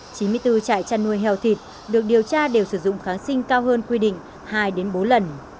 chín mươi bốn trại chăn nuôi heo thịt được điều tra đều sử dụng kháng sinh cao hơn quy định hai bốn lần